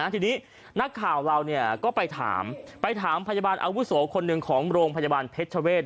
ทีนี้นักข่าวเราก็ไปถามไปถามพยาบาลอาวุโสคนหนึ่งของโรงพยาบาลเพชรเวศ